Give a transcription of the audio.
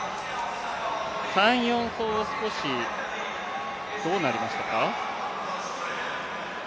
３、４走が少しどうなりましたか。